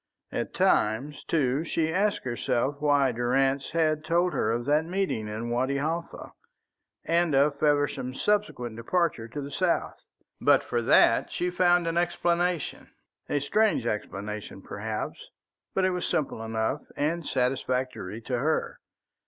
At times, too, she asked herself why Durrance had told her of that meeting in Wadi Halfa, and of Feversham's subsequent departure to the south. But for that she found an explanation a strange explanation, perhaps, but it was simple enough and satisfactory to her.